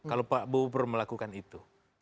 kalau pak prabowo melakukan itu